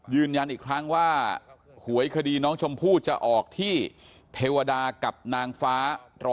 ยืนยันอีกครั้งว่าหวยคดีน้องชมพู่จะออกที่เทวดากับนางฟ้า๑๐๐